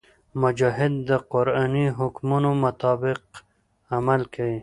مجاهد د قرآني حکمونو مطابق عمل کوي.